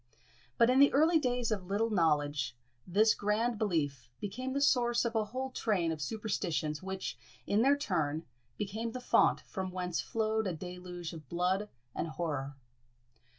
But in the early days of "little knowledge" this grand belief became the source of a whole train of superstitions, which, in their turn, became the fount from whence flowed a deluge of blood and horror.